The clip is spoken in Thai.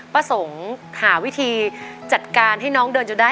ประสงค์หาวิธีจัดการให้น้องเดินจนได้